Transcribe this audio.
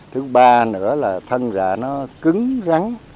thứ ba nữa là thân ra nó cứng rắn